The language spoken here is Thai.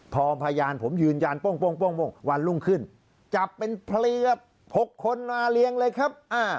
พอพยานผมยืนยันโป้งวันรุ่งขึ้นจับเป็นเพลีย๖คนมาเลี้ยงเลยครับ